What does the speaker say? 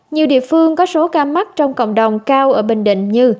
nhiều địa phương có số ca mắc trong cộng đồng cao ở bình định như